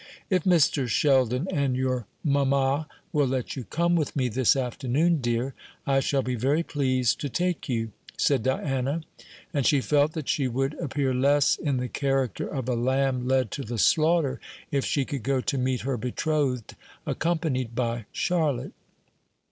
"If Mr. Sheldon and your mamma will let you come with me this afternoon, dear, I shall be very pleased to take you," said Diana; and she felt that she would appear less in the character of a lamb led to the slaughter if she could go to meet her betrothed accompanied by Charlotte.